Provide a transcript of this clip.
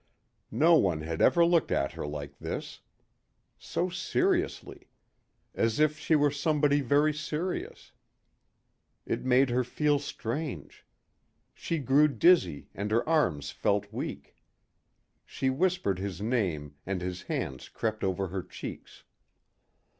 No one had ever looked at her like this. So seriously. As if she were somebody very serious. It made her feel strange. She grew dizzy and her arms felt weak. She whispered his name and his hands crept over her cheeks.